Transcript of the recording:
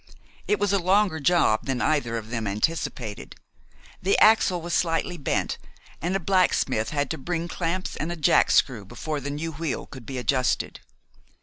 It was a longer job than either of them anticipated. The axle was slightly bent, and a blacksmith had to bring clamps and a jackscrew before the new wheel could be adjusted.